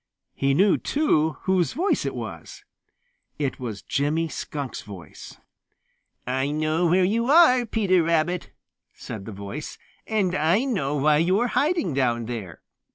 He knew, too, whose voice it was. It was Jimmy Skunk's voice. "I know where you are, Peter Rabbit," said the voice. "And I know why you are hiding down there.